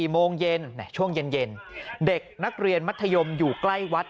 โมงเย็นช่วงเย็นเด็กนักเรียนมัธยมอยู่ใกล้วัด